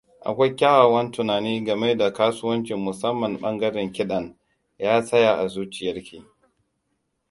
Akwai kyakkyawan tunani game da kasuwancin - musamman ɓangaren kiɗan. Ya tsaya a zuciyarki.